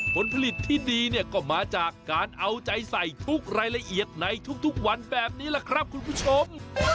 ผลผลิตที่ดีเนี่ยก็มาจากการเอาใจใส่ทุกรายละเอียดในทุกวันแบบนี้แหละครับคุณผู้ชม